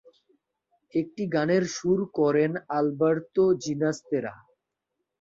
একটি গানের সুর করেন আলবার্তো জিনাস্তেরা।